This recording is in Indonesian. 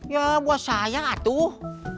ya buat saya atuh